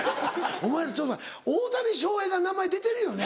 お前らちょっと待て大谷翔平が名前出てるよね？